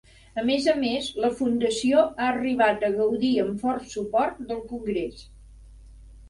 A més a més, la fundació ha arribat a gaudir amb fort suport del Congrés.